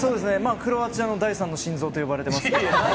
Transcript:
クロアチアの第３の心臓と呼ばれてます